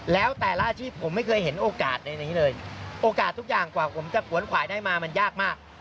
แล้วแต่ละอาชีพผมไม่เคยเห็นโอกาสในนี้เลยโอกาสทุกอย่างกว่าผมจะขวนขวายได้มามันยากมาก